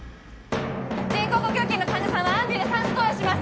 人工呼吸器の患者さんはアンビューで酸素投与します